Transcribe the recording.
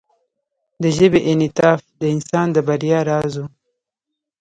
د ژبې انعطاف د انسان د بریا راز و.